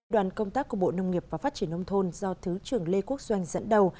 đoàn công tác của bộ nông nghiệp và phát triển nông thôn do thứ trưởng lê quốc doanh dẫn đầu